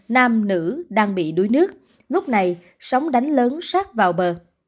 nam nữ đang bị đuối nước lúc này sóng đánh lớn sát vào bờ